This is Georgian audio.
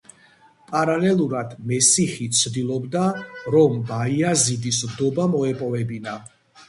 პარალელურად მესიჰი ცდილობდა, რომ ბაიაზიდის ნდობა მოეპოვებინა.